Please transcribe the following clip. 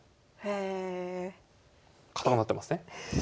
堅くなってますね。